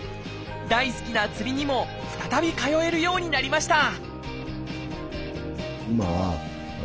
大好きな釣りにも再び通えるようになりました